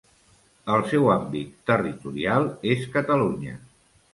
El seu àmbit territorial és Catalunya.